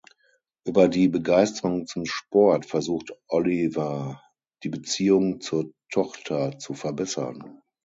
Über die Begeisterung zum Sport versucht Oliver die Beziehung zur Tochter zu verbessern.